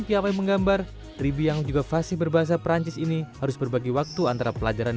pihak menggambar ribi yang juga fasi berbahasa perancis ini harus berbagi waktu antara pelajaran